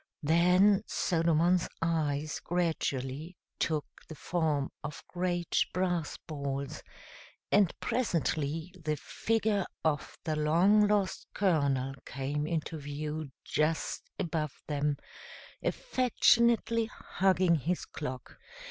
Then Solomon's eyes gradually took the form of great brass balls, and presently the figure of the long lost Colonel came into view just above them, affectionately hugging his clock.